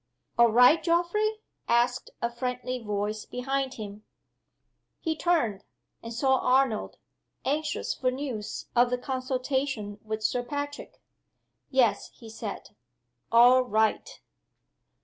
"All right, Geoffrey?" asked a friendly voice behind him. He turned and saw Arnold, anxious for news of the consultation with Sir Patrick. "Yes," he said. "All right."